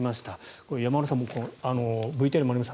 これ山村さん、ＶＴＲにもありました